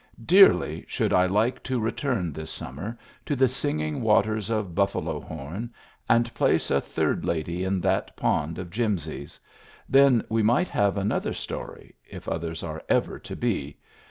Dearly should I like to return this summer to the singing waters of Buffalo Horn, and place a third lady in that pond of Jimsy's ; then we might have another story if others are ever to be.